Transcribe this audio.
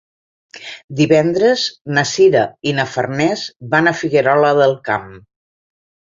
Divendres na Sira i na Farners van a Figuerola del Camp.